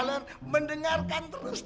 jadi ini deh ya ya kan tuh